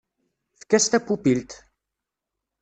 Efk-as tapupilt!